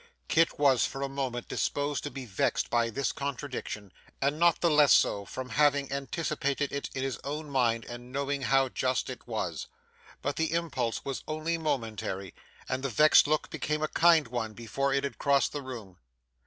Kit was for a moment disposed to be vexed by this contradiction, and not the less so from having anticipated it in his own mind and knowing how just it was. But the impulse was only momentary, and the vexed look became a kind one before it had crossed the room.